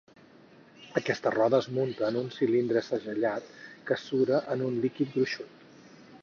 Aquesta roda es munta en un cilindre segellat, que sura en un líquid gruixut.